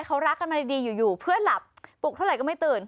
เขารักกันมาดีอยู่เพื่อนหลับปลุกเท่าไหร่ก็ไม่ตื่น